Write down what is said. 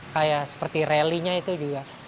kayak seperti rally nya itu juga